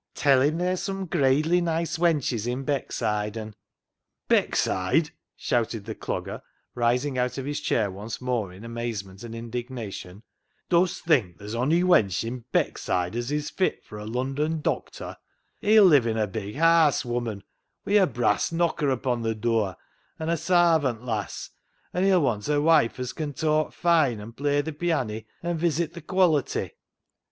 " Tell him theer's sum gradely nice wenches i' Beckside, an' "—" Beckside 1 " shouted the Clogger, rising out of his chair once more in amazement and indignation. " Dust think there's ony wench i' VAULTING AMBITION 239 Beckside as is fit for a Lundon doctor ? He'll live in a big haase, woman, wi' a brass knocker upo' th' dur, an' a sarvant lass, an' he'll want a wife as can talk fine and play th' pianney and visit th' quality."